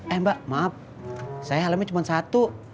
eh mbak maaf saya helmi cuma satu